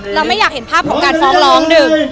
เราไม่อยากเห็นภาพของการฟ้องร้องหนึ่ง